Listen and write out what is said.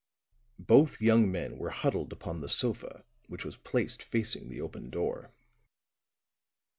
Both young men were huddled upon the sofa, which was placed facing the open door.